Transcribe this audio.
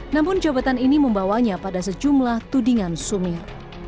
namun jabatan ini membawanya pada sejumlah tudingan sumir